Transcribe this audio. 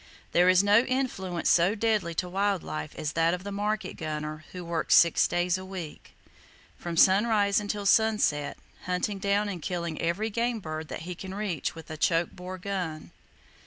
There is no influence so deadly to wild life as that of the market gunner who works six days a week, from sunrise until sunset, hunting down and killing every game bird that he can reach with a choke bore gun.